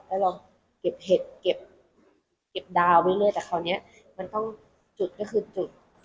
แล้วเราเก็บเห็ดเก็บดาวไปเรื่อยแต่คราวนี้มันต้องจุดก็คือจุด